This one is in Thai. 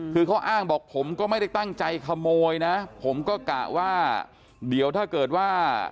คือเขาอ้างบอกผมก็ไม่ได้ตั้งใจขโมยนะผมก็กะว่าเดี๋ยวถ้าเกิดว่า